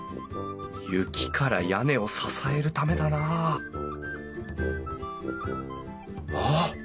雪から屋根を支えるためだなあっ！